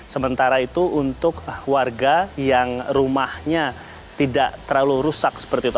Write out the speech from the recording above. sementara itu untuk warga yang rumahnya tidak terlalu rusak seperti itu